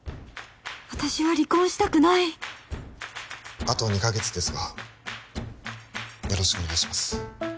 私は離婚したくないあと２カ月ですがよろしくお願いします